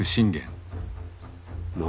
何？